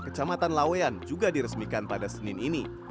kecamatan laweyan juga diresmikan pada senin ini